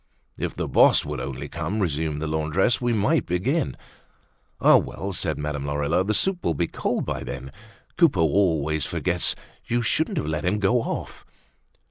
"If the boss would only come," resumed the laundress, "we might begin." "Ah, well!" said Madame Lorilleux, "the soup will be cold by then. Coupeau always forgets. You shouldn't have let him go off."